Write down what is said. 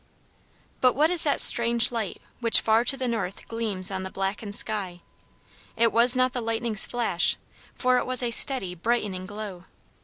But what is that strange light which far to the north gleams on the blackened sky? It was not the lightning's flash, for it was a steady brightening glow.